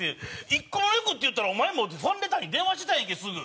１個目の欲っていったらお前もファンレターに電話してたやんけすぐ！